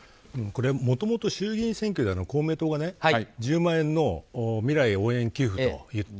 もともと衆議院選挙で公明党が１０万円の未来応援給付と言って